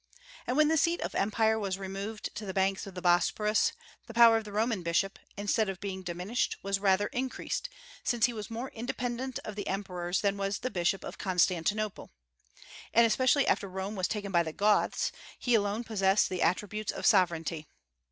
And when the seat of empire was removed to the banks of the Bosporus, the power of the Roman Bishop, instead of being diminished, was rather increased, since he was more independent of the emperors than was the Bishop of Constantinople. And especially after Rome was taken by the Goths, he alone possessed the attributes of sovereignty.